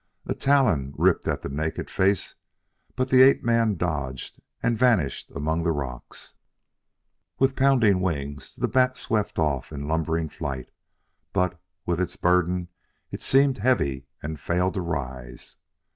A talon ripped at the naked face, but the ape man dodged and vanished among the rocks. With pounding wings, the bat swept off in lumbering flight, but with its burden it seemed heavy, and failed to rise.